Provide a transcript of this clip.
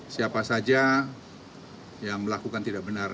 siapa saja yang melakukan tidak benar